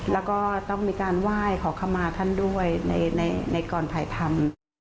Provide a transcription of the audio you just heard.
แล้วก็ต้องมีการไหว้ขอขมาท่านด้วยในกรภัยธรรม